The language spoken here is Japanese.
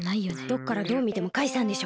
どっからどうみてもカイさんでしょ。